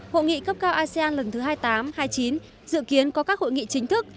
hội nghị cấp cao asean lần thứ hai mươi tám hai mươi chín dự kiến có các hội nghị chính thức